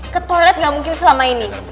ke toilet nggak mungkin selama ini